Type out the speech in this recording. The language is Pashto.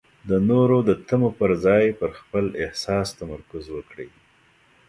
د نورو د تمو پر ځای پر خپل احساس تمرکز وکړئ.